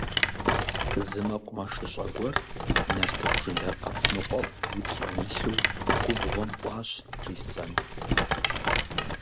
Зы мэкъумэшыщӀэ гуэр нартыху жылэ къэп ныкъуэфӀ и плӀэм илъу губгъуэм кӀуащ трисэну.